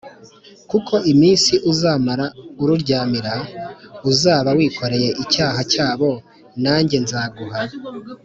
Kuko iminsi uzamara ururyamira uzaba wikoreye icyaha cyabo Nanjye nzaguha